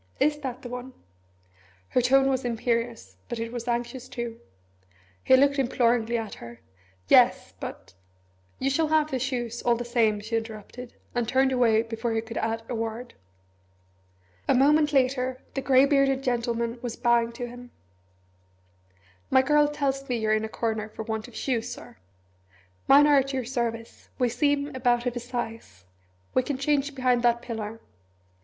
Is it that one?" Her tone was imperious, but it was anxious too. He looked imploringly at her. "Yes, but " "You shall have the shoes, all the same," she interrupted, and turned away before he could add a word. A moment later the grey bearded gentleman was bowing to him. "My girl tells me you're in a corner for want of shoes, Sir. Mine are at your service we seem about of a size we can change behind that pillar."